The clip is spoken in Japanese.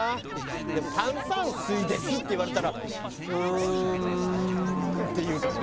でも「炭酸水です」って言われたら「うーん」って言うかもな。